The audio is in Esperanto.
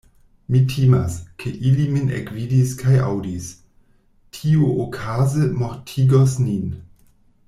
Mi timas, ke ili min ekvidis kaj aŭdis; tiuokaze mortigos nin.